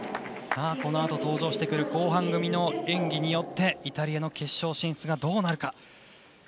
この後登場する後半組の演技によってイタリアの決勝進出がどうなるか。